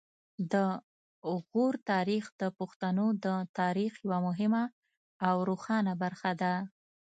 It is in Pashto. د غور تاریخ د پښتنو د تاریخ یوه مهمه او روښانه برخه ده